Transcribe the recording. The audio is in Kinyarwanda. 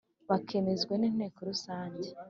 bakemezwa n inteko rusange